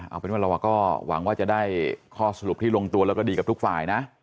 เอาเป็นว่าเราก็หวังว่าจะได้ข้อสรุปที่ลงตัวแล้วก็ดีกับทุกฝ่ายนะ